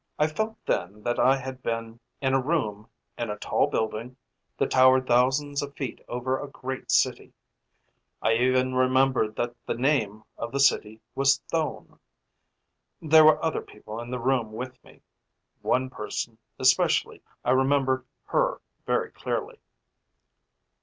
I felt then that I had been in a room in a tall building that towered thousands of feet over a great city. I even remembered that the name of the city was Thone. There were other people in the room with me one person especially. I remembered her very clearly."